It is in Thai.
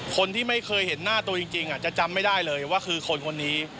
คนที่ไม่เคยเห็นหน้าตัวจริงจะจำไม่ได้เลยว่าคือคนคนนี้